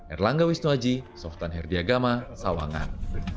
erlangga wisnuaji softan herdiagama sawangan